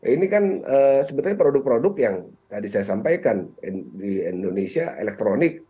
ini kan sebenarnya produk produk yang tadi saya sampaikan di indonesia elektronik